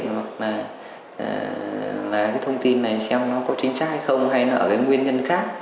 hoặc là cái thông tin này xem nó có chính xác hay không hay nó ở cái nguyên nhân khác